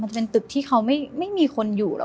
มันเป็นตึกที่เขาไม่มีคนอยู่